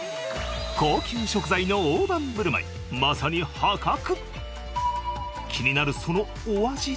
高級食材の大盤振る舞いまさに破格！